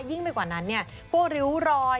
ยิ่งไปกว่านั้นเนี่ยพวกริ้วรอย